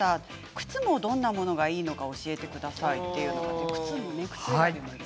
靴もどんなものがいいのか教えてくださいということです。